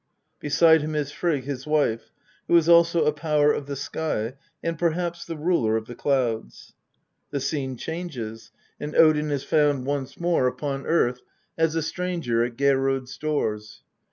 Beside him is Frigg, his wife, who is also a power of the sky, and perhaps the ruler of the clouds. The scene changes, and Odin is found once more upon earth Xli . THE POETIC EDDA. as a stranger at Geirrod's doors.